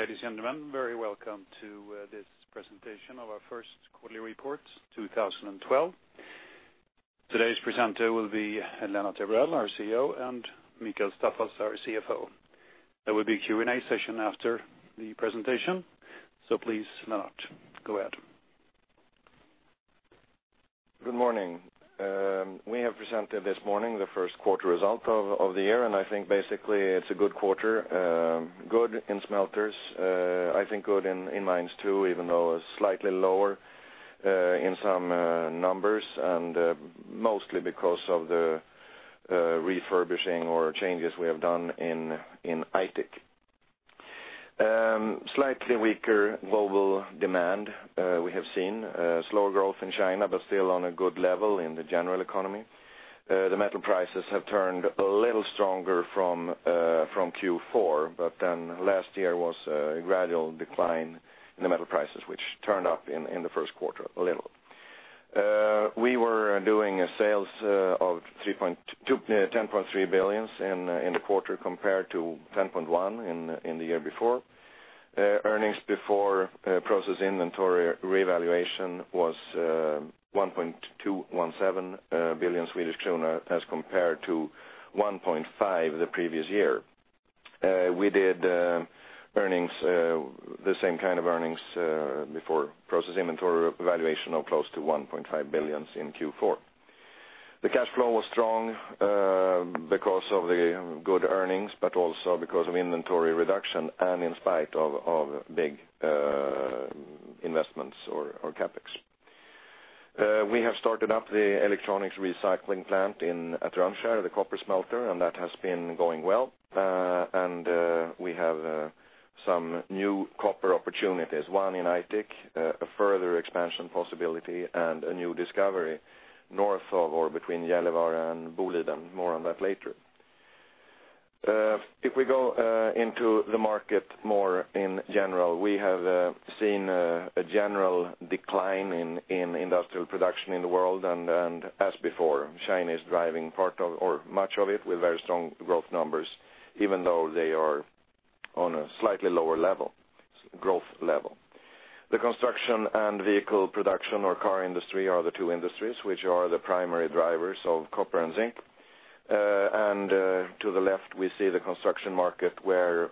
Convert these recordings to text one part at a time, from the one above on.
Ladies and gentlemen, very welcome to this presentation of our first quarterly report 2012. Today's presenter will be Lennart Evrell, our CEO, and Mikael Staffas, our CFO. There will be a Q&A session after the presentation, please Lennart, go ahead. Good morning. We have presented this morning the first quarter result of the year. I think basically it's a good quarter. Good in smelters, I think good in mines too, even though slightly lower in some numbers, mostly because of the refurbishing or changes we have done in Aitik. Slightly weaker global demand. We have seen slower growth in China, still on a good level in the general economy. The metal prices have turned a little stronger from Q4, last year was a gradual decline in the metal prices, which turned up in the first quarter a little. We were doing sales of 10.3 billion in the quarter, compared to 10.1 billion in the year before. Earnings before process inventory revaluation was 1.217 billion Swedish kronor as compared to 1.5 billion the previous year. We did the same kind of earnings before process inventory revaluation of close to 1.5 billion in Q4. The cash flow was strong because of the good earnings, also because of inventory reduction and in spite of big investments or CapEx. We have started up the electronics recycling plant at Rönnskär, the copper smelter, that has been going well. We have some new copper opportunities. One in Aitik, a further expansion possibility, and a new discovery north of or between Gällivare and Boliden. More on that later. If we go into the market more in general, we have seen a general decline in industrial production in the world. As before, China is driving part of, or much of it, with very strong growth numbers, even though they are on a slightly lower growth level. The construction and vehicle production or car industry are the two industries which are the primary drivers of copper and zinc. To the left, we see the construction market where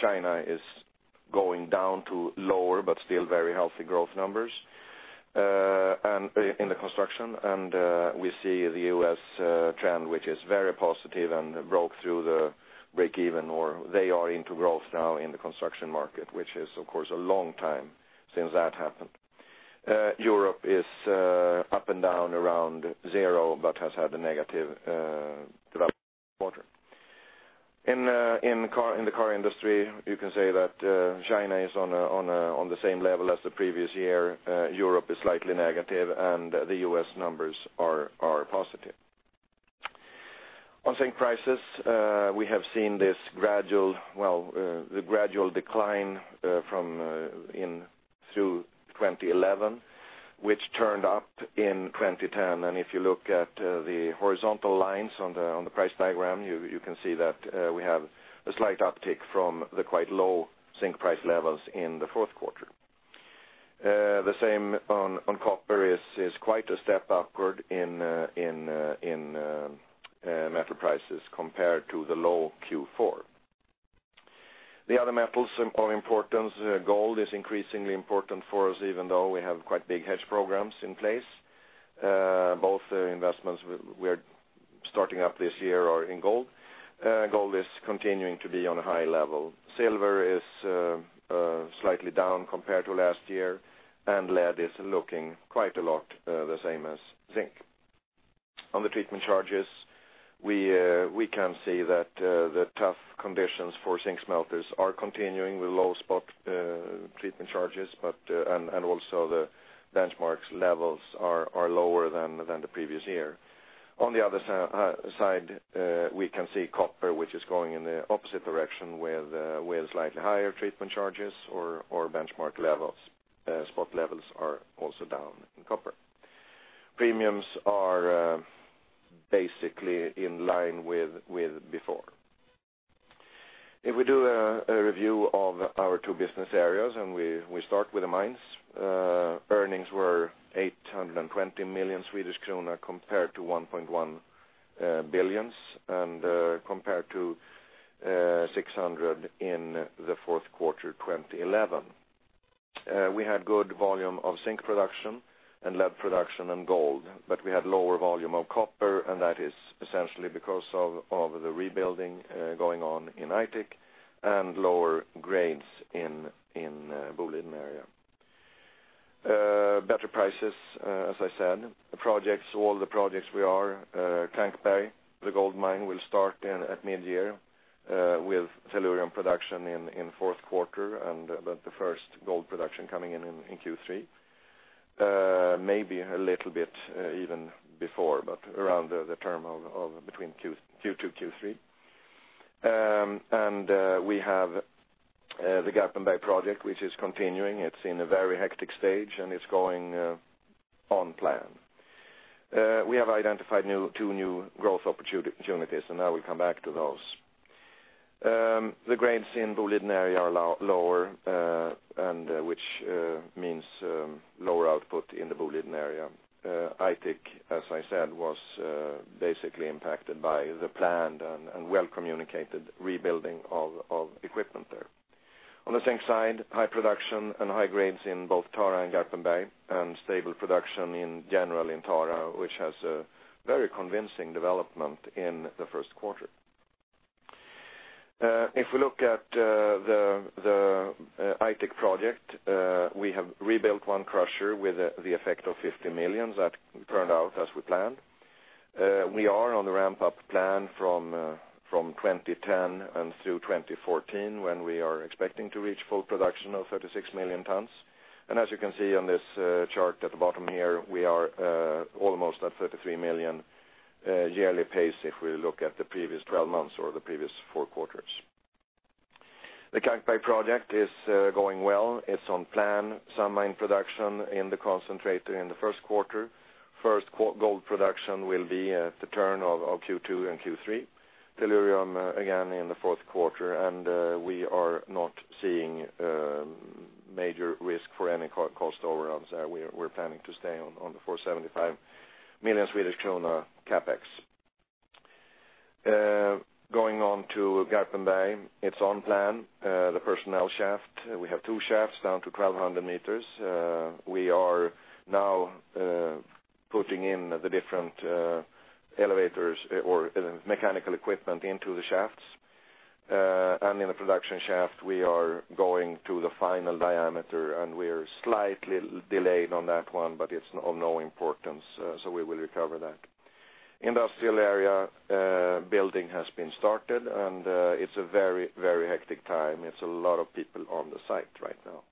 China is going down to lower but still very healthy growth numbers in the construction. We see the U.S. trend, which is very positive and broke through the break even, or they are into growth now in the construction market, which is, of course, a long time since that happened. Europe is up and down around zero but has had a negative development quarter. In the car industry, you can say that China is on the same level as the previous year. Europe is slightly negative, the U.S. numbers are positive. On zinc prices, we have seen the gradual decline through 2011, which turned up in 2010. If you look at the horizontal lines on the price diagram, you can see that we have a slight uptick from the quite low zinc price levels in the fourth quarter. The same on copper is quite a step upward in metal prices compared to the low Q4. The other metals of importance, gold is increasingly important for us, even though we have quite big hedge programs in place. Both investments we are starting up this year are in gold. Gold is continuing to be on a high level. silver is slightly down compared to last year, and lead is looking quite a lot the same as zinc. On the treatment charges, we can see that the tough conditions for zinc smelters are continuing with low spot treatment charges, and also the benchmarks levels are lower than the previous year. On the other side, we can see copper, which is going in the opposite direction with slightly higher treatment charges or benchmark levels. Spot levels are also down in copper. Premiums are basically in line with before. If we do a review of our two business areas, we start with the mines, earnings were 820 million Swedish kronor compared to 1.1 billion and compared to 600 in the fourth quarter of 2011. We had good volume of zinc production and lead production and gold, but we had lower volume of copper, and that is essentially because of the rebuilding going on in Aitik and lower grades in Boliden area. Better prices, as I said. The projects, all the projects we are, Kankberg, the gold mine will start at mid-year with tellurium production in fourth quarter and the first gold production coming in Q3. Maybe a little bit even before, but around the term of between Q2 to Q3. We have the Garpenberg project, which is continuing. It's in a very hectic stage, and it's going on plan. We have identified two new growth opportunities, now we come back to those. The grades in Boliden area are lower, which means lower output in the Boliden area. Aitik, as I said, was basically impacted by the planned and well-communicated rebuilding of equipment there. On the zinc side, high production and high grades in both Tara and Garpenberg, and stable production in general in Tara, which has a very convincing development in the first quarter. If we look at the Aitik project, we have rebuilt one crusher with the effect of 50 million. That turned out as we planned. We are on the ramp-up plan from 2010 through 2014, when we are expecting to reach full production of 36 million tons. As you can see on this chart at the bottom here, we are almost at 33 million yearly pace if we look at the previous 12 months or the previous four quarters. The Kankberg project is going well. It's on plan. Some mine production in the concentrator in the first quarter. First gold production will be at the turn of Q2 and Q3. Tellurium, again, in the fourth quarter, we are not seeing major risk for any cost overruns there. We're planning to stay on the 475 million Swedish krona CapEx. Going on to Garpenberg. It's on plan. The personnel shaft, we have two shafts down to 1,200 meters. We are now putting in the different mechanical equipment into the shafts. In the production shaft, we are going to the final diameter, we're slightly delayed on that one, it's of no importance, we will recover that. Industrial area building has been started, it's a very hectic time. It's a lot of people on the site right now.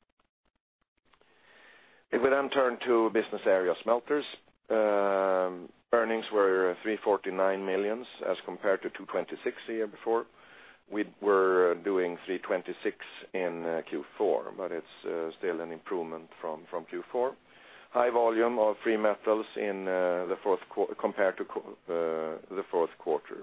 We then turn to business area smelters. Earnings were 349 million as compared to 226 the year before. We were doing 326 in Q4, but it's still an improvement from Q4. High volume of three metals compared to the fourth quarter.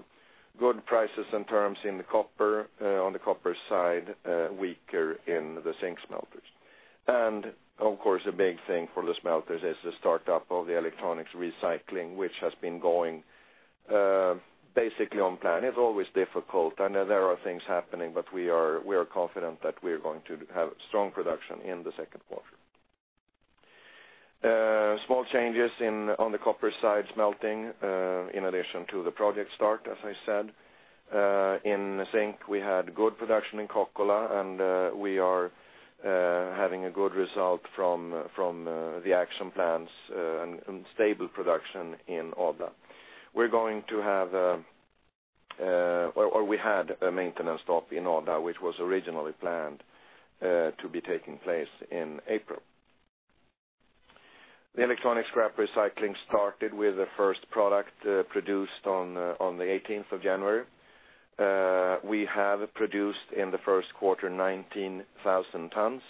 Good prices and terms on the copper side, weaker in the zinc smelters. Of course, a big thing for the smelters is the startup of the electronics recycling, which has been going basically on plan. It's always difficult, there are things happening, but we are confident that we are going to have strong production in the second quarter. Small changes on the copper side smelting in addition to the project start, as I said. In zinc, we had good production in Kokkola, and we are having a good result from the action plans and stable production in Odda. We had a maintenance stop in Odda, which was originally planned to be taking place in April. The electronic scrap recycling started with the first product produced on the 18th of January. We have produced in the first quarter 19,000 tons.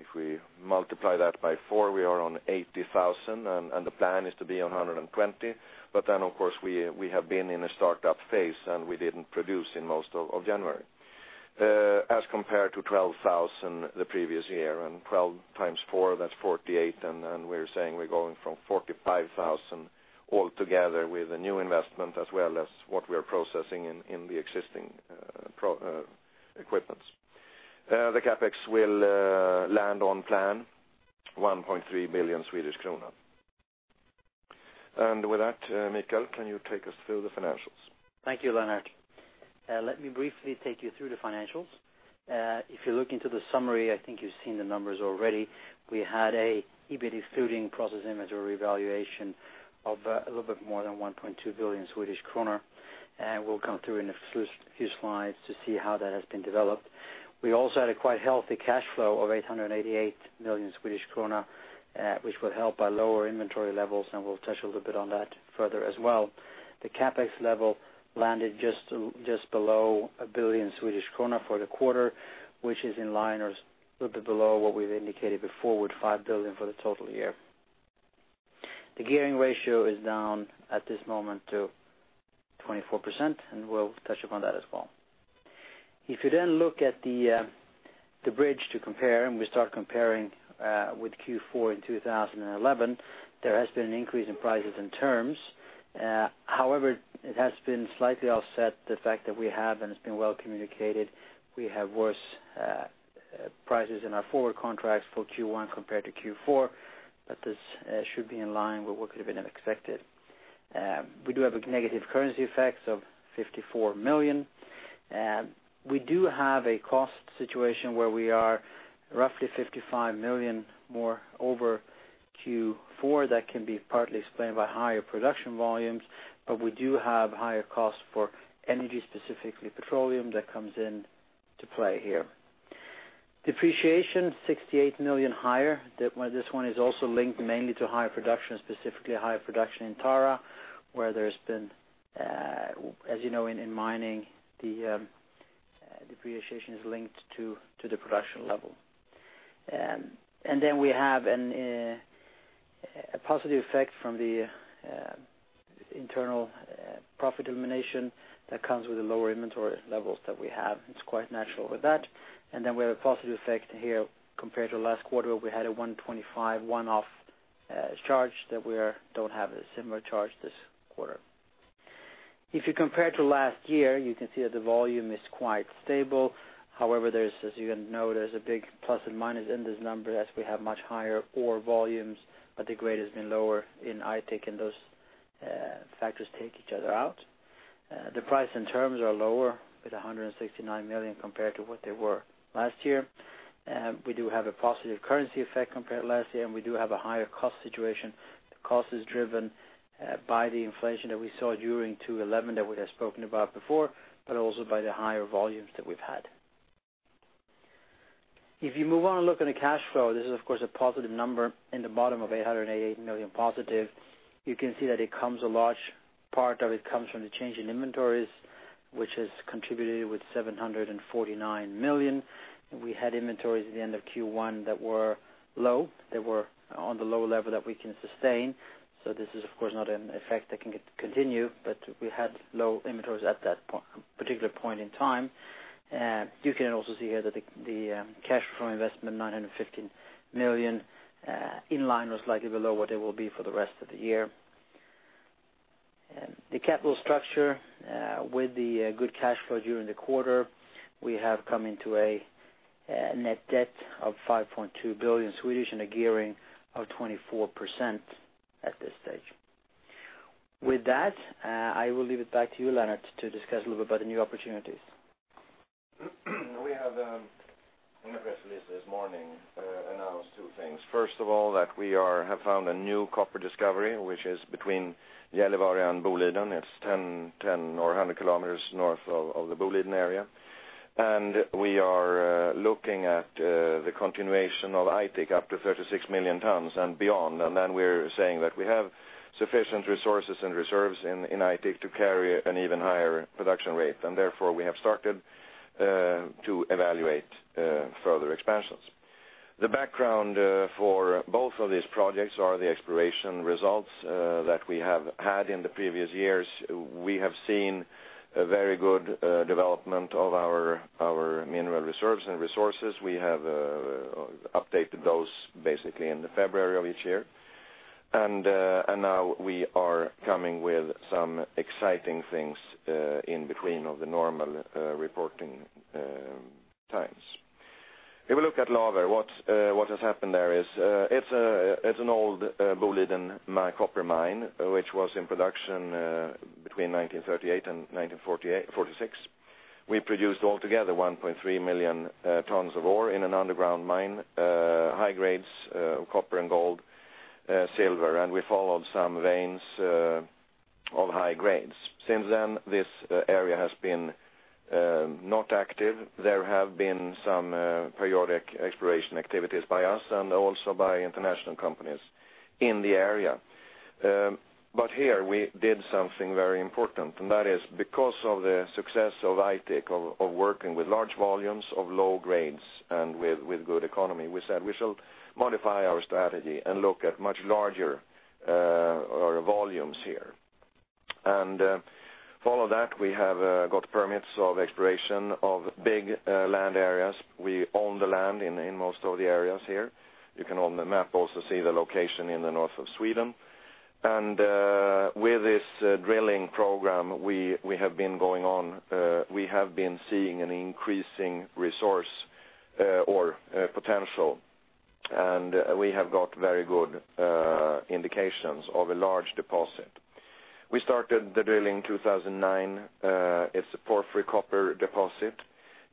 If we multiply that by four, we are on 80,000, of course, we have been in a startup phase, we didn't produce in most of January. As compared to 12,000 the previous year, 12 times four, that's 48, we're saying we're going from 45,000 all together with the new investment as well as what we are processing in the existing equipment. The CapEx will land on plan 1.3 billion Swedish kronor. With that, Mikael, can you take us through the financials? Thank you, Lennart. Let me briefly take you through the financials. If you look into the summary, I think you've seen the numbers already. We had a EBIT excluding process inventory revaluation of a little bit more than 1.2 billion Swedish kronor. We'll come through in a few slides to see how that has been developed. We also had a quite healthy cash flow of 888 million Swedish krona, which would help our lower inventory levels, we'll touch a little bit on that further as well. The CapEx level landed just below 1 billion Swedish krona for the quarter, which is in line or a little bit below what we've indicated before with 5 billion for the total year. The gearing ratio is down at this moment to 24%, we'll touch upon that as well. You look at the bridge to compare, we start comparing with Q4 in 2011, there has been an increase in prices and terms. However, it has been slightly offset the fact that we have, and it has been well communicated, we have worse prices in our forward contracts for Q1 compared to Q4, this should be in line with what could have been expected. We do have a negative currency effect of 54 million. We do have a cost situation where we are roughly 55 million more over Q4. That can be partly explained by higher production volumes, but we do have higher costs for energy, specifically petroleum, that comes into play here. Depreciation, 68 million higher. This one is also linked mainly to higher production, specifically higher production in Tara, where there has been, as you know in mining, the depreciation is linked to the production level. We have a positive effect from the internal profit elimination that comes with the lower inventory levels that we have. It is quite natural with that. We have a positive effect here compared to last quarter, we had a 125 one-off charge that we do not have a similar charge this quarter. You compare to last year, you can see that the volume is quite stable. However, as you can note, there is a big plus and minus in this number as we have much higher ore volumes, but the grade has been lower in Aitik, those factors take each other out. The price and terms are lower with 169 million compared to what they were last year. We do have a positive currency effect compared to last year, we do have a higher cost situation. The cost is driven by the inflation that we saw during 2011 that we have spoken about before, also by the higher volumes that we have had. You move on and look at the cash flow, this is of course a positive number in the bottom of 888 million positive. You can see that a large part of it comes from the change in inventories, which has contributed with 749 million. We had inventories at the end of Q1 that were low, that were on the low level that we can sustain. This is of course not an effect that can continue, we had low inventories at that particular point in time. You can also see here that the cash flow investment, 915 million, in line, was likely below what it will be for the rest of the year. The capital structure with the good cash flow during the quarter, we have come into a net debt of 5.2 billion and a gearing of 24% at this stage. With that, I will leave it back to you, Lennart, to discuss a little bit about the new opportunities. We have in a press release this morning announced two things. First of all, that we have found a new copper discovery, which is between Gällivare and Boliden. It's 10 or 100 kilometers north of the Boliden area. We are looking at the continuation of Aitik up to 36 million tons and beyond. We're saying that we have sufficient resources and reserves in Aitik to carry an even higher production rate. We have started to evaluate further expansions. The background for both of these projects are the exploration results that we have had in the previous years. We have seen a very good development of our mineral reserves and resources. We have updated those basically in the February of each year. Now we are coming with some exciting things in between of the normal reporting times. If we look at Laver, what has happened there is it's an old Boliden copper mine, which was in production between 1938 and 1946. We produced altogether 1.3 million tons of ore in an underground mine, high grades copper and gold, silver, and we followed some veins of high grades. Since then, this area has been not active. There have been some periodic exploration activities by us and also by international companies in the area. Here we did something very important, and that is because of the success of Aitik of working with large volumes of low grades and with good economy, we said we shall modify our strategy and look at much larger volumes here. Follow that, we have got permits of exploration of big land areas. We own the land in most of the areas here. You can on the map also see the location in the north of Sweden. With this drilling program we have been going on, we have been seeing an increasing resource or potential, and we have got very good indications of a large deposit. We started the drilling in 2009. It's a porphyry copper deposit.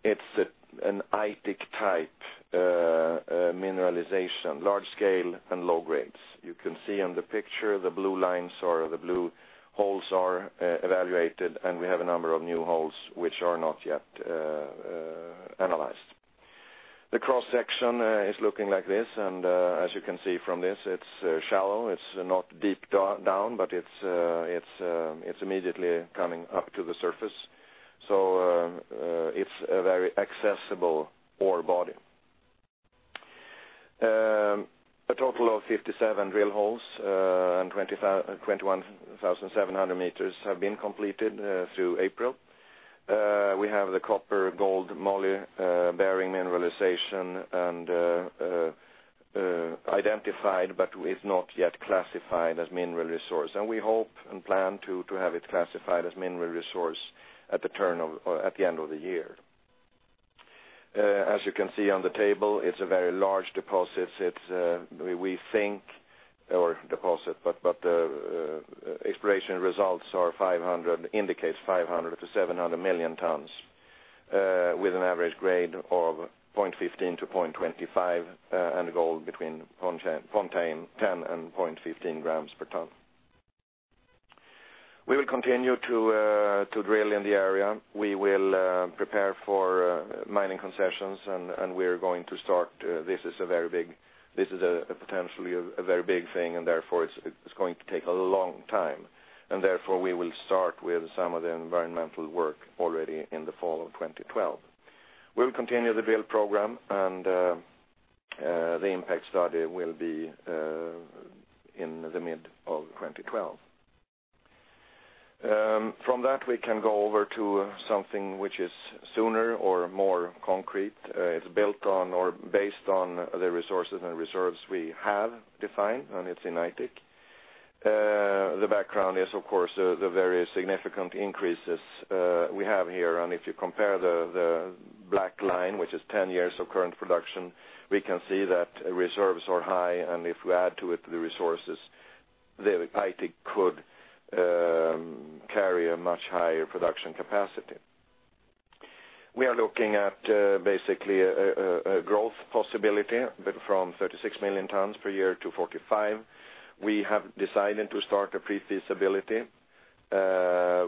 It's an Aitik-type mineralization, large scale and low grades. You can see on the picture the blue lines or the blue holes are evaluated, and we have a number of new holes which are not yet analyzed. The cross-section is looking like this, and as you can see from this, it's shallow. It's not deep down, but it's immediately coming up to the surface. It's a very accessible ore body. A total of 57 drill holes, and 21,700 meters have been completed through April. We have the copper gold moly bearing mineralization identified but is not yet classified as Mineral Resource. We hope and plan to have it classified as Mineral Resource at the end of the year. As you can see on the table, it's a very large deposit. We think our deposit, but the exploration results indicates 500 million-700 million tons, with an average grade of 0.15-0.25, and gold between 0.10 and 0.15 grams per ton. We will continue to drill in the area. We will prepare for mining concessions, and we are going to start. This is potentially a very big thing, and therefore it's going to take a long time. We will start with some of the environmental work already in the fall of 2012. We'll continue the drill program and The impact study will be in the mid of 2012. From that, we can go over to something which is sooner or more concrete. It is built on or based on the resources and reserves we have defined, and it is in Aitik. The background is, of course, the various significant increases we have here. If you compare the black line, which is 10 years of current production, we can see that reserves are high. If we add to it the resources, Aitik could carry a much higher production capacity. We are looking at basically a growth possibility from 36 million tons per year to 45. We have decided to start a pre-feasibility,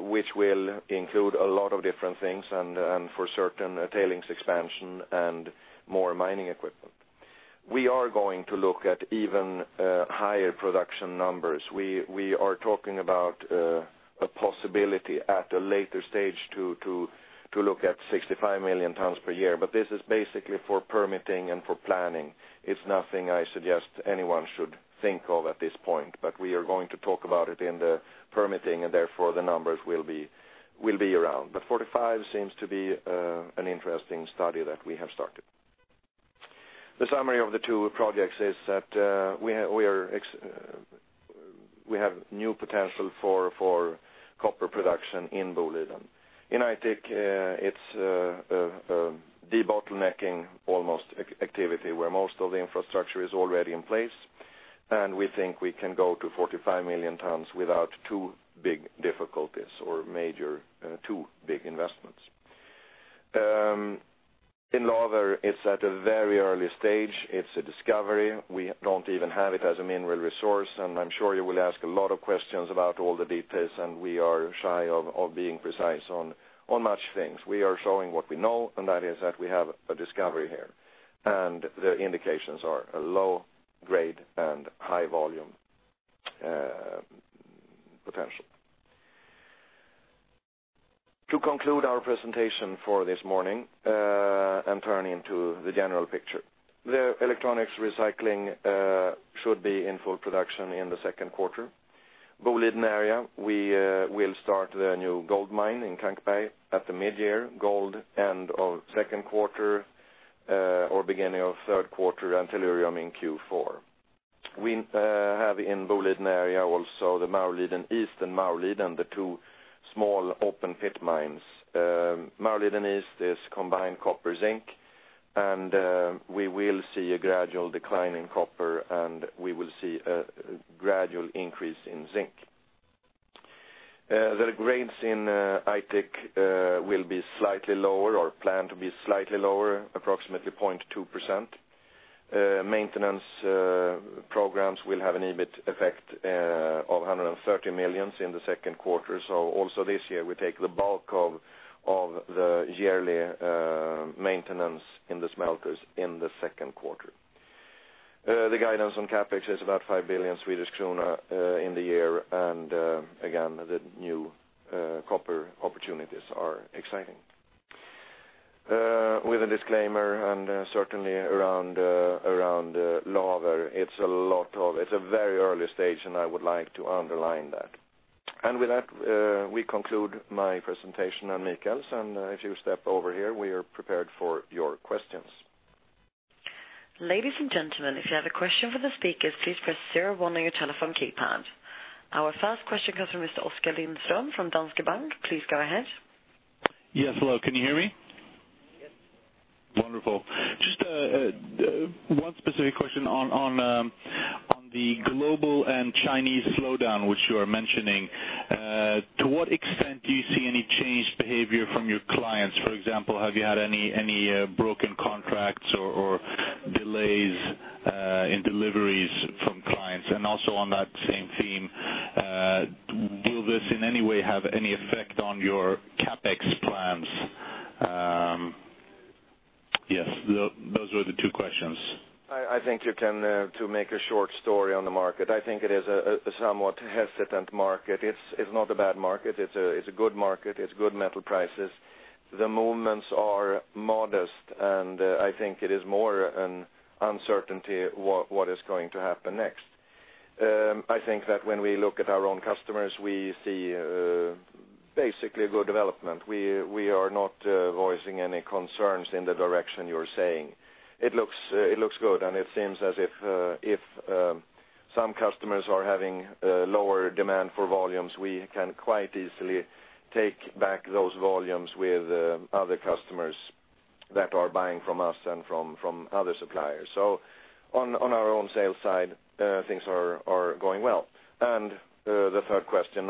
which will include a lot of different things and for certain tailings expansion and more mining equipment. We are going to look at even higher production numbers. We are talking about a possibility at a later stage to look at 65 million tons per year. This is basically for permitting and for planning. It is nothing I suggest anyone should think of at this point, but we are going to talk about it in the permitting, and therefore, the numbers will be around. 45 seems to be an interesting study that we have started. The summary of the two projects is that we have new potential for copper production in Boliden. In Aitik, it is debottlenecking almost activity where most of the infrastructure is already in place, and we think we can go to 45 million tons without too big difficulties or major too big investments. In Laver, it is at a very early stage. It is a discovery. We do not even have it as a Mineral Resource, and I am sure you will ask a lot of questions about all the details, and we are shy of being precise on much things. We are showing what we know, and that is that we have a discovery here, and the indications are a low grade and high volume potential. To conclude our presentation for this morning and turn into the general picture. The electronics recycling should be in full production in the second quarter. Boliden area, we will start the new gold mine in Kankberg at the mid-year gold end of second quarter or beginning of third quarter and tellurium in Q4. We have in Boliden area also the Maurliden East and Maurliden, the two small open pit mines. Maurliden East is combined copper zinc, and we will see a gradual decline in copper, and we will see a gradual increase in zinc. The grades in Aitik will be slightly lower or planned to be slightly lower, approximately 0.2%. Maintenance programs will have an EBIT effect of 130 million in the second quarter. Also this year we take the bulk of the yearly maintenance in the smelters in the second quarter. The guidance on CapEx is about 5 billion Swedish kronor in the year. Again, the new copper opportunities are exciting. With a disclaimer and certainly around Laver, it is a very early stage, and I would like to underline that. With that, we conclude my presentation and Mikael's, and if you step over here, we are prepared for your questions. Ladies and gentlemen, if you have a question for the speakers, please press zero one on your telephone keypad. Our first question comes from Mr. Oskar Lindström from Danske Bank. Please go ahead. Yes. Hello, can you hear me? Yes. Wonderful. Just one specific question on the global and Chinese slowdown, which you are mentioning. To what extent do you see any changed behavior from your clients? For example, have you had any broken contracts or delays in deliveries from clients? Also on that same theme, will this in any way have any effect on your CapEx plans? Yes, those were the two questions. To make a short story on the market, I think it is a somewhat hesitant market. It's not a bad market. It's a good market. It's good metal prices. The movements are modest, and I think it is more an uncertainty what is going to happen next. I think that when we look at our own customers, we see basically a good development. We are not voicing any concerns in the direction you're saying. It looks good, and it seems as if some customers are having lower demand for volumes, we can quite easily take back those volumes with other customers that are buying from us and from other suppliers. On our own sales side, things are going well. The third question,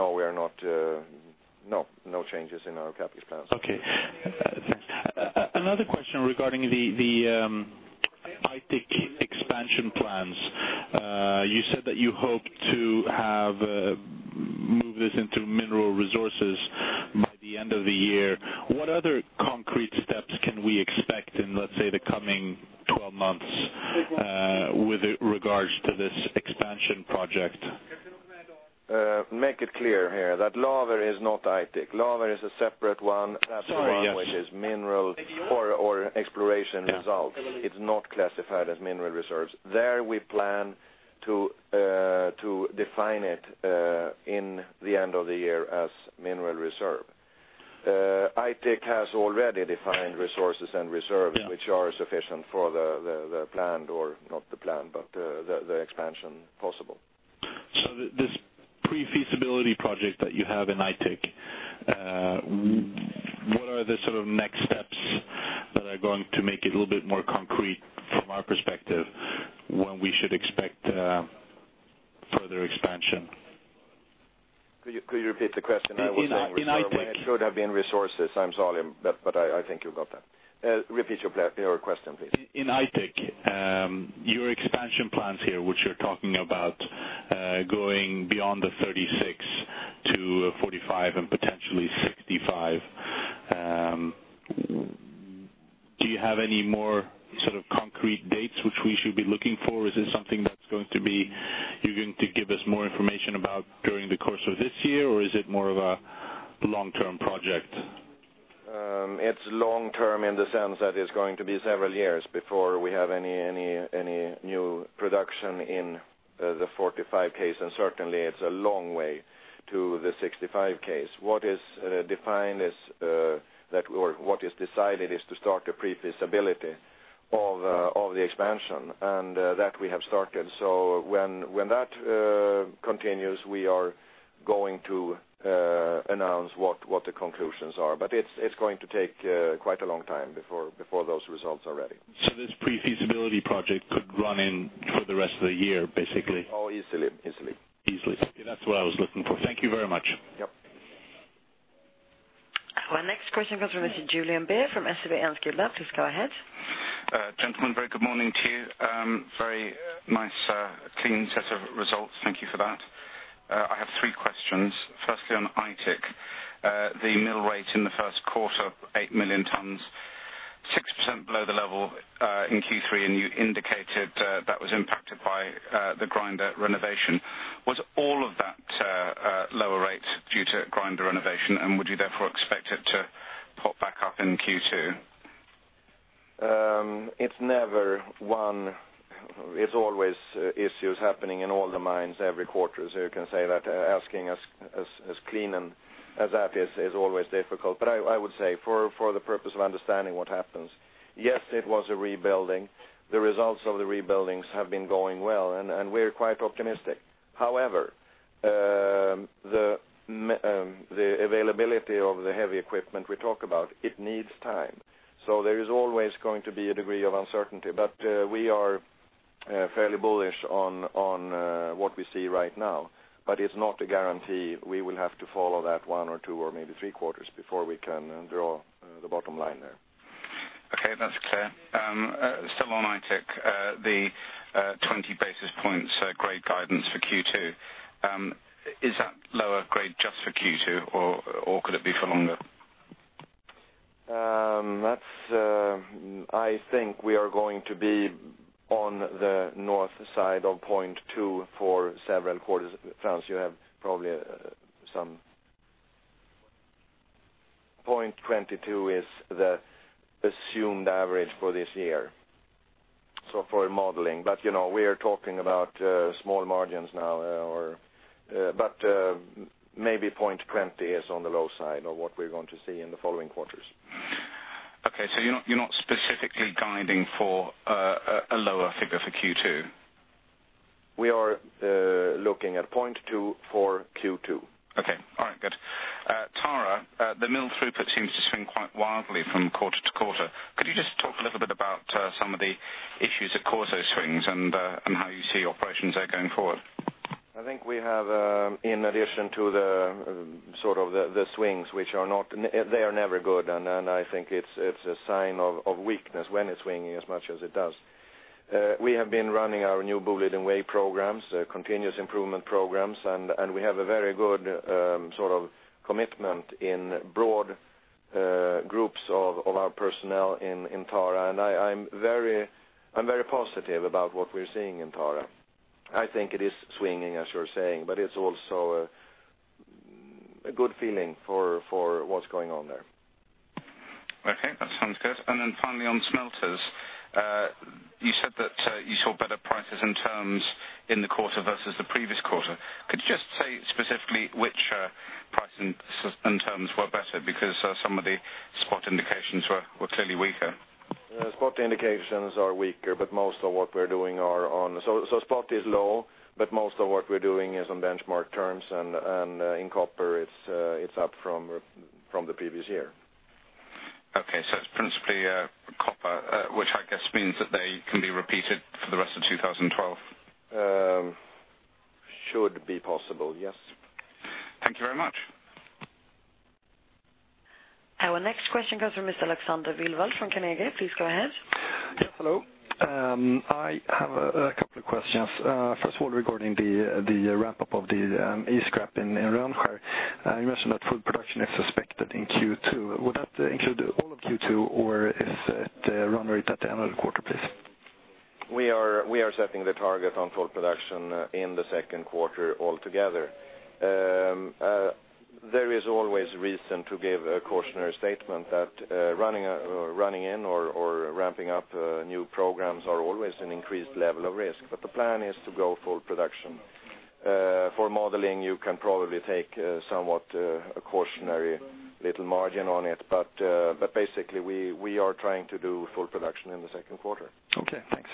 no changes in our CapEx plans. Okay, thanks. Another question regarding the Aitik expansion plans. You said that you hope to have moved this into Mineral Resources by the end of the year. What other concrete steps can we expect in, let's say, the coming 12 months with regards to this expansion project? Make it clear here that Laver is not Aitik. Laver is a separate. Sorry, yes. which is mineral or exploration results. It's not classified as Mineral Reserves. There we plan to define it in the end of the year as Mineral Reserves. Aitik has already defined Mineral Resources and Mineral Reserves which are sufficient for the planned, or not the plan, but the expansion possible. This pre-feasibility project that you have in Aitik, what are the next steps that are going to make it a little bit more concrete from our perspective when we should expect further expansion? Could you repeat the question? I was saying- In Aitik It should have been resources. I'm sorry, I think you got that. Repeat your question, please. In Aitik, your expansion plans here, which you're talking about going beyond the 36-45 and potentially 65. Do you have any more concrete dates which we should be looking for? Is it something that you're going to give us more information about during the course of this year, or is it more of a long-term project? It's long-term in the sense that it's going to be several years before we have any new production in the 45 case, and certainly it's a long way to the 65 case. What is defined is that, or what is decided is to start a pre-feasibility of the expansion, and that we have started. When that continues, we are going to announce what the conclusions are. It's going to take quite a long time before those results are ready. This pre-feasibility project could run in for the rest of the year, basically. Oh, easily. Easily. Okay. That is what I was looking for. Thank you very much. Yep. Our next question comes from Mr. Julian Beer from SEB Enskilda. Please go ahead. Gentlemen, a very good morning to you. Very nice clean set of results. Thank you for that. I have three questions. Firstly, on Aitik, the mill rate in the first quarter, eight million tons, 6% below the level in Q3. You indicated that was impacted by the grinder renovation. Was all of that lower rate due to grinder renovation, and would you therefore expect it to pop back up in Q2? It is always issues happening in all the mines every quarter. You can say that asking us as clean as that is always difficult. I would say for the purpose of understanding what happens, yes, it was a rebuilding. The results of the rebuildings have been going well, we are quite optimistic. However, the availability of the heavy equipment we talk about, it needs time. There is always going to be a degree of uncertainty, we are fairly bullish on what we see right now. It is not a guarantee we will have to follow that one or two or maybe three quarters before we can draw the bottom line there. Okay, that's clear. Still on Aitik, the 20 basis points grade guidance for Q2. Is that lower grade just for Q2, or could it be for longer? I think we are going to be on the north side of 0.2 for several quarters. Frans, you have probably 0.22 is the assumed average for this year, so for modeling. We are talking about small margins now. Maybe 0.20 is on the low side of what we're going to see in the following quarters. Okay. You're not specifically guiding for a lower figure for Q2? We are looking at 0.2 for Q2. Okay. All right, good. Tara, the mill throughput seems to swing quite wildly from quarter to quarter. Could you just talk a little bit about some of the issues that cause those swings and how you see operations there going forward? I think we have in addition to the swings, they are never good, and I think it's a sign of weakness when it's swinging as much as it does. We have been running our new Boliden Way programs, continuous improvement programs, and we have a very good commitment in broad groups of our personnel in Tara. I'm very positive about what we're seeing in Tara. I think it is swinging, as you're saying, it's also a good feeling for what's going on there. Okay, that sounds good. Finally on smelters. You said that you saw better prices and terms in the quarter versus the previous quarter. Could you just say specifically which price and terms were better? Because some of the spot indications were clearly weaker. Spot indications are weaker, so spot is low, but most of what we're doing is on benchmark terms, and in copper, it's up from the previous year. Okay, it's principally copper, which I guess means that they can be repeated for the rest of 2012. Should be possible, yes. Thank you very much. Our next question comes from Mr. Alexander Pöyhönen from Carnegie. Please go ahead. Hello. I have a couple of questions. First of all, regarding the ramp-up of the E-scrap in Rönnskär. You mentioned that full production is expected in Q2. Would that include all of Q2, or is the run rate at the end of the quarter, please? We are setting the target on full production in the second quarter altogether. There is always reason to give a cautionary statement that running in or ramping up new programs are always an increased level of risk. The plan is to go full production. For modeling, you can probably take somewhat a cautionary little margin on it, but basically we are trying to do full production in the second quarter. Okay, thanks.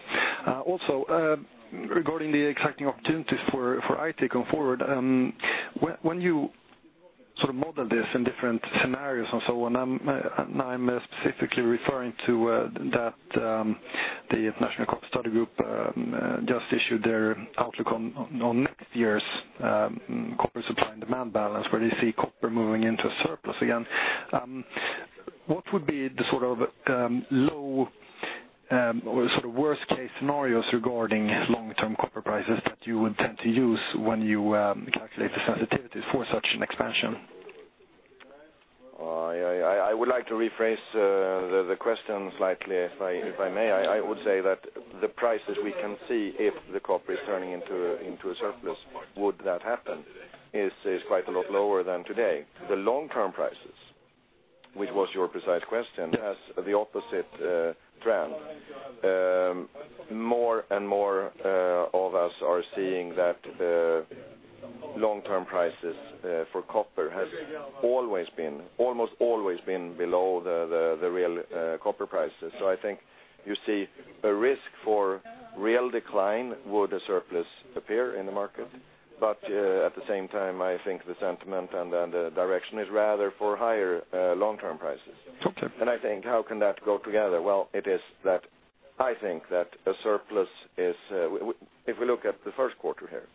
Also, regarding the exciting opportunities for Aitik going forward, when you model this in different scenarios and so on, I am specifically referring to that the International Copper Study Group just issued their outlook on next year's copper supply and demand balance, where they see copper moving into surplus again. What would be the low or worst case scenarios regarding long-term copper prices that you would tend to use when you calculate the sensitivity for such an expansion? I would like to rephrase the question slightly, if I may. I would say that the prices we can see if the copper is turning into a surplus, would that happen, is quite a lot lower than today. The long-term prices, which was your precise question, has the opposite trend. More and more of us are seeing that the long-term prices for copper has almost always been below the real copper prices. I think you see a risk for real decline would a surplus appear in the market. At the same time, I think the sentiment and the direction is rather for higher long-term prices. Okay. How can that go together? I think that a surplus is, if we look at the first quarter here,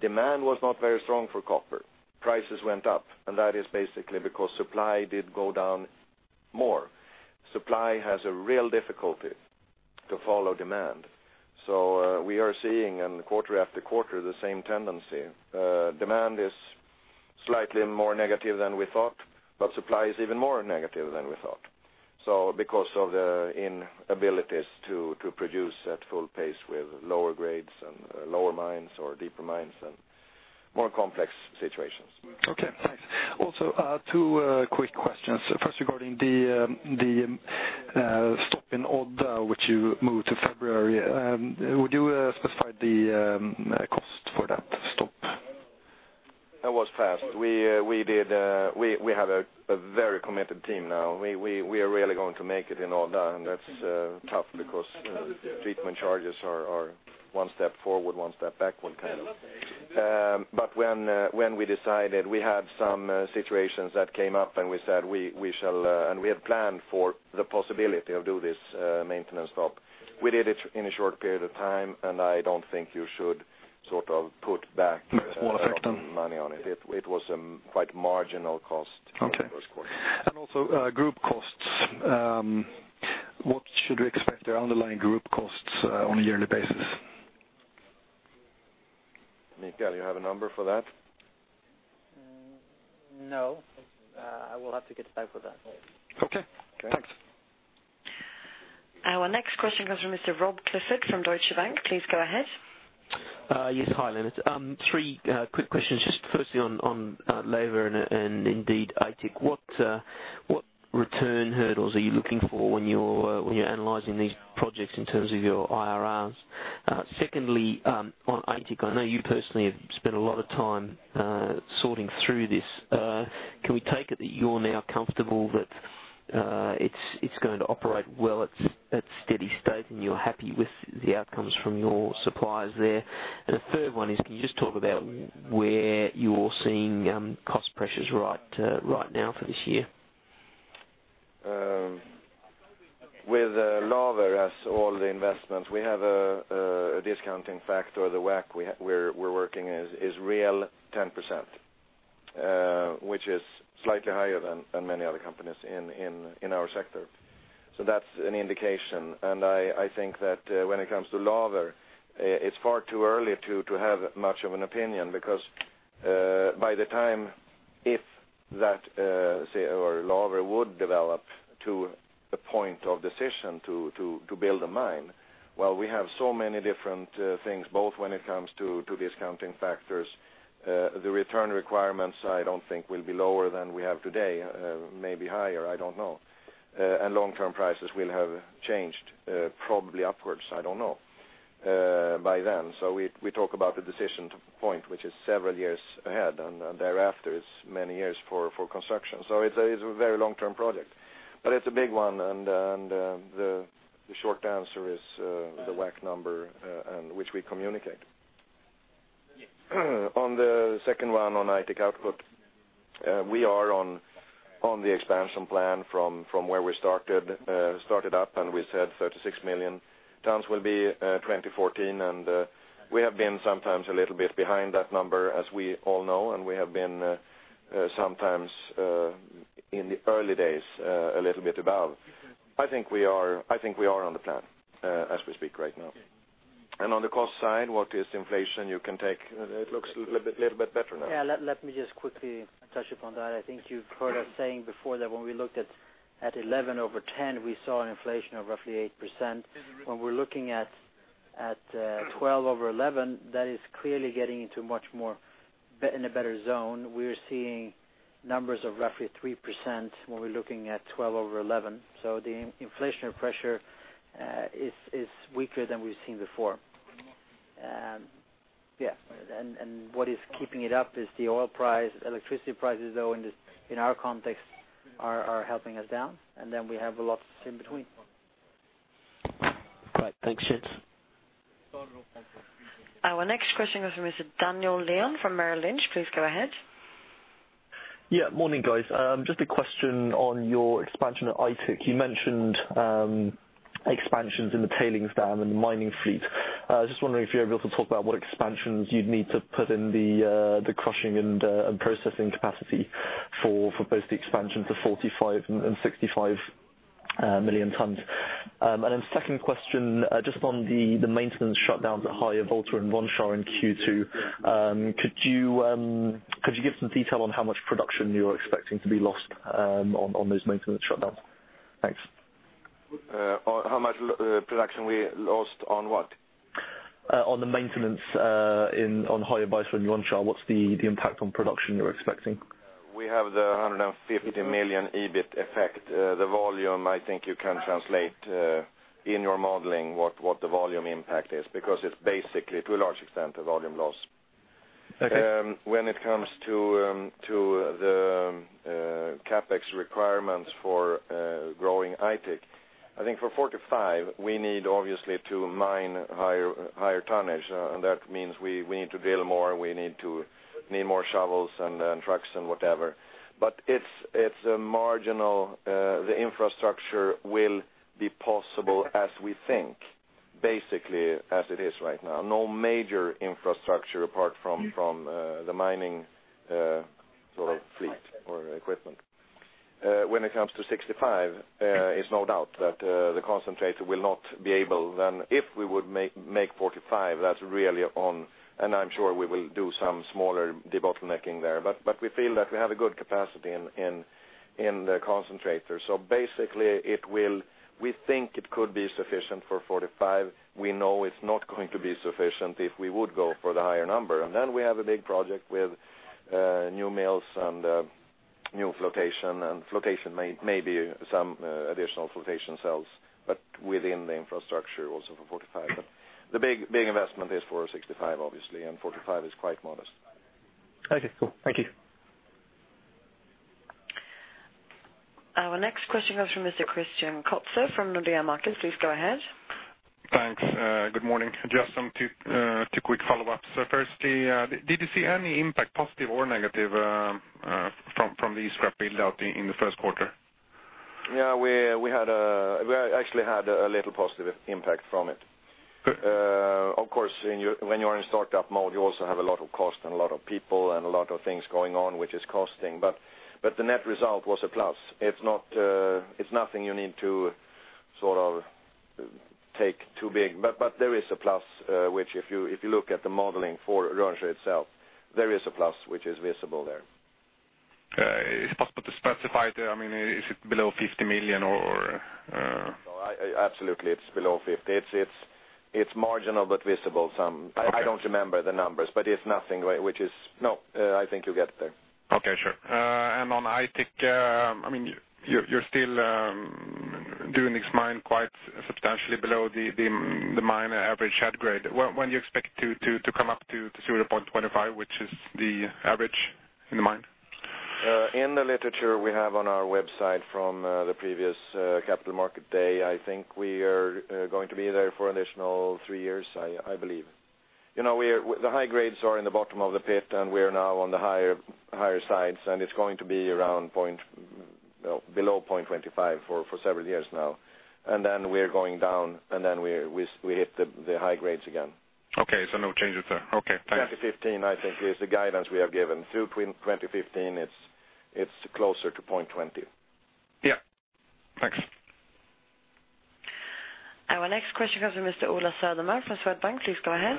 demand was not very strong for copper. Prices went up. That is basically because supply did go down more. Supply has a real difficulty to follow demand. We are seeing, and quarter after quarter, the same tendency. Demand is slightly more negative than we thought, supply is even more negative than we thought. Because of the inabilities to produce at full pace with lower grades and lower mines or deeper mines and more complex situations. Okay, thanks. Also, two quick questions. First, regarding the stop in Odda, which you moved to February. Would you specify the cost for that stop? That was fast. We have a very committed team now. We are really going to make it in Odda, and that's tough because treatment charges are one step forward, one step backward, kind of. When we decided we had some situations that came up and we had planned for the possibility of doing this maintenance stop, we did it in a short period of time, and I don't think you should put back- Small effect on- money on it. It was a quite marginal. Okay in the first quarter. Also group costs. What should we expect the underlying group costs on a yearly basis? Mikael, you have a number for that? No, I will have to get back with that later. Okay. Okay. Thanks. Our next question comes from Mr. Rob Clifford from Deutsche Bank. Please go ahead. Yes. Hi, Lennart. Three quick questions. Just firstly on Laver and indeed Aitik. What return hurdles are you looking for when you're analyzing these projects in terms of your IRRs? Secondly, on Aitik, I know you personally have spent a lot of time sorting through this. Can we take it that you're now comfortable that it's going to operate well at steady state, and you're happy with the outcomes from your suppliers there? The third one is, can you just talk about where you're seeing cost pressures right now for this year? With Laver, as all the investments, we have a discounting factor. The WACC we're working is real 10%, which is slightly higher than many other companies in our sector. That's an indication. I think that when it comes to Laver, it's far too early to have much of an opinion because by the time, if that, say, or Laver would develop to the point of decision to build a mine, while we have so many different things, both when it comes to discounting factors, the return requirements I don't think will be lower than we have today. Maybe higher, I don't know. Long-term prices will have changed, probably upwards, I don't know, by then. We talk about the decision point, which is several years ahead, and thereafter it's many years for construction. It's a very long-term project. It's a big one, the short answer is the WACC number, which we communicate. On the second one, on Aitik output, we are on the expansion plan from where we started up. We said 36 million tons will be 2014. We have been sometimes a little bit behind that number, as we all know, and we have been sometimes in the early days a little bit above. I think we are on the plan as we speak right now. On the cost side, what is inflation you can take? It looks a little bit better now. Yeah. Let me just quickly touch upon that. I think you've heard us saying before that when we looked at 2011 over 2010, we saw an inflation of roughly 8%. When we're looking at 2012 over 2011, that is clearly getting into a much more better zone. We're seeing numbers of roughly 3% when we're looking at 2012 over 2011. The inflation pressure is weaker than we've seen before. What is keeping it up is the oil price. Electricity prices, though in our context, are helping us down. Then we have a lot in between. Right. Thanks. Cheers. Our next question comes from Mr. Daniel Major from Merrill Lynch. Please go ahead. Yeah. Just a question on your expansion at Aitik. You mentioned expansions in the tailings dam and the mining fleet. I was just wondering if you're able to talk about what expansions you'd need to put in the crushing and processing capacity for both the expansion to 45 and 65 million tons. Second question, just on the maintenance shutdowns at Odda and Rönnskär in Q2, could you give some detail on how much production you're expecting to be lost on those maintenance shutdowns? Thanks. How much production we lost on what? On the maintenance on Odda and Rönnskär. What's the impact on production you're expecting? We have the 150 million EBIT effect. The volume, I think you can translate in your modeling what the volume impact is, because it's basically to a large extent, a volume loss. Okay. When it comes to the CapEx requirements for growing Aitik, I think for 45, we need obviously to mine higher tonnage. That means we need to drill more, we need more shovels and trucks and whatever. It's marginal. The infrastructure will be possible as we think. Basically as it is right now. No major infrastructure apart from the mining fleet or equipment. When it comes to 65, it's no doubt that the concentrator will not be able then. If we would make 45, that's really on, and I'm sure we will do some smaller debottlenecking there. We feel that we have a good capacity in the concentrator. Basically, we think it could be sufficient for 45. We know it's not going to be sufficient if we would go for the higher number. We have a big project with new mills and new flotation, and maybe some additional flotation cells, but within the infrastructure also for 45. The big investment is for 65 obviously, and 45 is quite modest. Okay, cool. Thank you. Our next question comes from Mr. Christian Kopfer from Nordea Markets. Please go ahead. Thanks. Good morning. Just two quick follow-ups. Firstly, did you see any impact, positive or negative, from the scrap build-out in the first quarter? Yeah, we actually had a little positive impact from it. Good. Of course, when you're in startup mode, you also have a lot of cost and a lot of people and a lot of things going on, which is costing. The net result was a plus. It's nothing you need to take too big. There is a plus, which if you look at the modeling for Rönnskär itself, there is a plus which is visible there. Is it possible to specify it? Is it below 50 million or? Absolutely, it's below 50. It's marginal but visible. Okay. I don't remember the numbers, but it's nothing which is. No, I think you get there. Okay, sure. On Aitik, you're still doing this mine quite substantially below the mine average head grade. When do you expect to come up to 0.25, which is the average in the mine? In the literature we have on our website from the previous capital market day, I think we are going to be there for additional three years, I believe. The high grades are in the bottom of the pit, and we are now on the higher sides, and it's going to be below 0.25 for several years now. Then we're going down, and then we hit the high grades again. Okay, no change with the Okay, thanks. 2015, I think, is the guidance we have given. Through 2015 it's closer to 0.20. Yeah. Thanks. Our next question comes from Mr. Ola Södermark from Swedbank. Please go ahead.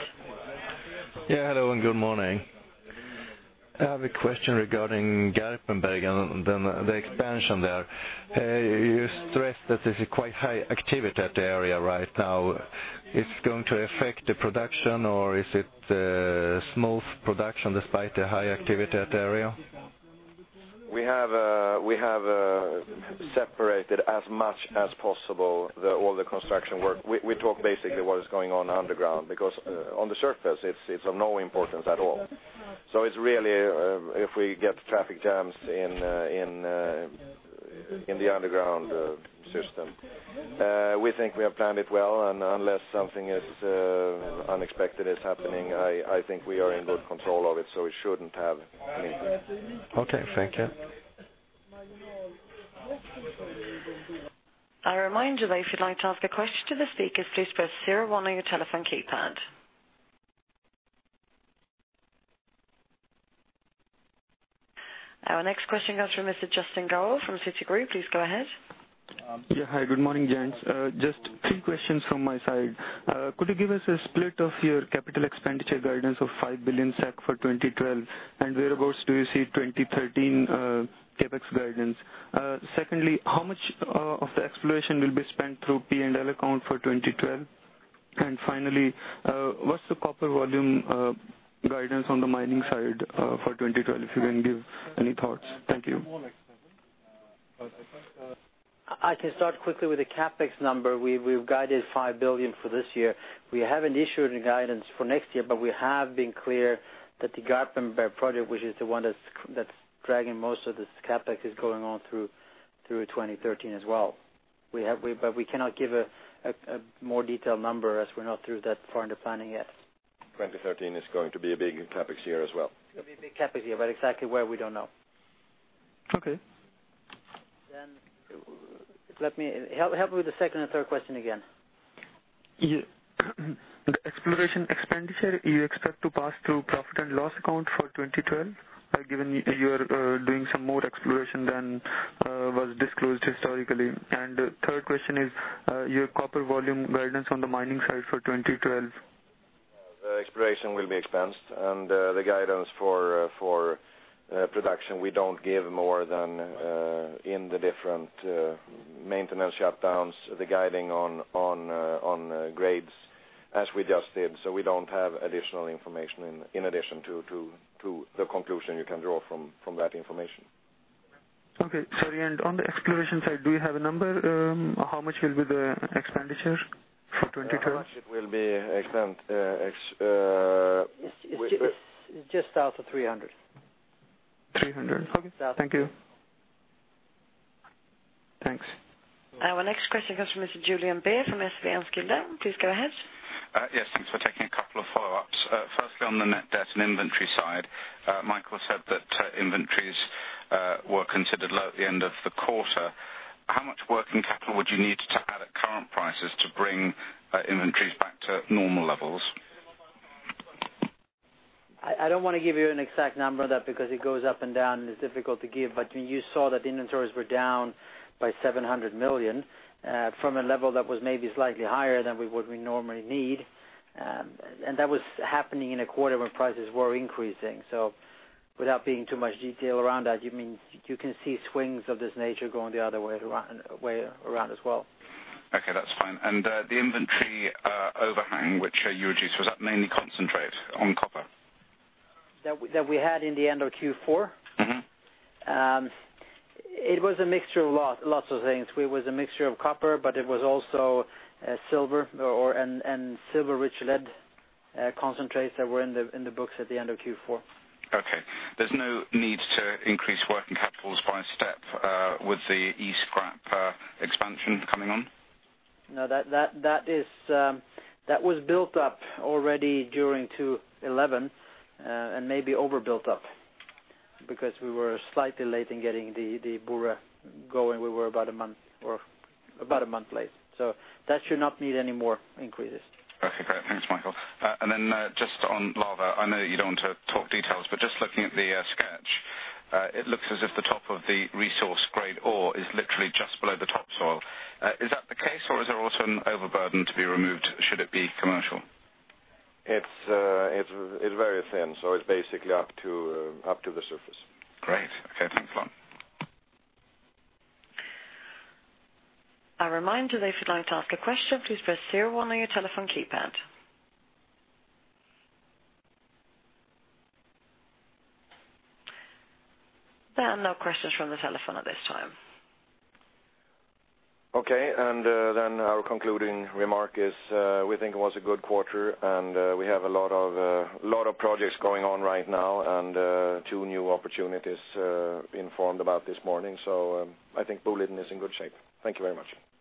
Yeah. Hello and good morning. I have a question regarding Garpenberg and then the expansion there. You stressed that there's a quite high activity at the area right now. It's going to affect the production or is it smooth production despite the high activity at the area? We have separated as much as possible all the construction work. We talk basically what is going on underground, because on the surface it's of no importance at all. It's really if we get traffic jams in the underground system. We think we have planned it well, and unless something unexpected is happening, I think we are in good control of it, so we shouldn't have anything. Okay, thank you. I remind you that if you'd like to ask a question to the speakers, please press zero one on your telephone keypad. Our next question comes from Mr. Justin Gauld from Citigroup. Please go ahead. Hi, good morning, gents. Just three questions from my side. Could you give us a split of your capital expenditure guidance of 5 billion SEK for 2012? Whereabouts do you see 2013 CapEx guidance? Secondly, how much of the exploration will be spent through P&L account for 2012? Finally, what's the copper volume guidance on the mining side for 2012, if you can give any thoughts? Thank you. I can start quickly with the CapEx number. We've guided 5 billion for this year. We haven't issued any guidance for next year, we have been clear that the Garpenberg Project, which is the one that's dragging most of this CapEx, is going on through to 2013 as well. We cannot give a more detailed number as we're not through that far into planning yet. 2013 is going to be a big CapEx year as well. It'll be a big CapEx year, exactly where, we don't know. Okay. help me with the second and third question again. The exploration expenditure you expect to pass through P&L account for 2012, given you are doing some more exploration than was disclosed historically. Third question is your copper volume guidance on the mining side for 2012. The exploration will be expensed and the guidance for production, we don't give more than in the different maintenance shutdowns, the guiding on grades as we just did. We don't have additional information in addition to the conclusion you can draw from that information. On the exploration side, do you have a number? How much will be the expenditure for 2012? How much it will be spent? It's just south of 300. 300. Okay. Thank you. Thanks. Our next question comes from Mr. Julian Beer from SEB Enskilda. Please go ahead. Yes, thanks for taking a couple of follow-ups. Firstly, on the net debt and inventory side, Mikael said that inventories were considered low at the end of the quarter. How much working capital would you need to add at current prices to bring inventories back to normal levels? I don't want to give you an exact number of that because it goes up and down, it's difficult to give. You saw that the inventories were down by 700 million from a level that was maybe slightly higher than what we normally need. That was happening in a quarter when prices were increasing. Without being too much detail around that, you can see swings of this nature going the other way around as well. Okay, that's fine. The inventory overhang, which you reduced, was that mainly concentrate on copper? That we had in the end of Q4? It was a mixture of lots of things. It was a mixture of copper, but it was also silver and silver-rich lead concentrates that were in the books at the end of Q4. Okay. There's no need to increase working capitals by a step with the E-scrap expansion coming on? No, that was built up already during 2011, and maybe overbuilt up because we were slightly late in getting the Bura going. We were about a month late. That should not need any more increases. Okay, great. Thanks, Mikael. Then just on Laver, I know you don't want to talk details, but just looking at the sketch, it looks as if the top of the resource-grade ore is literally just below the topsoil. Is that the case, or is there also an overburden to be removed should it be commercial? It's very thin, so it's basically up to the surface. Great. Okay, thanks a lot. A reminder that if you'd like to ask a question, please press zero one on your telephone keypad. There are no questions from the telephone at this time. Our concluding remark is we think it was a good quarter. We have a lot of projects going on right now and two new opportunities being formed about this morning. I think Boliden is in good shape. Thank you very much.